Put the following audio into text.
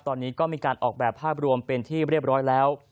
ตอนนี้ก็มีการออกแบบภาพรวมเป็นที่เรียบร้อยแล้ว